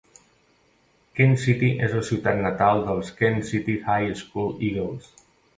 Kent City és la ciutat natal dels Kent City High School Eagles.